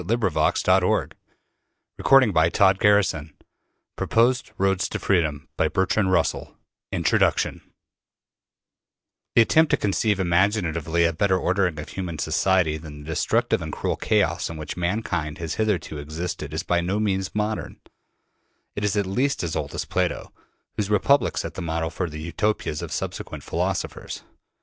SCIENCE AND ART UNDER SOCIALISM VIII.THE WORLD AS IT COULD BE MADE INTRODUCTION THE attempt to conceive imaginatively a better ordering of human society than the destructive and cruel chaos in which mankind has hitherto existed is by no means modern: it is at least as old as Plato, whose ``Republic'' set the model for the Utopias of subsequent philosophers.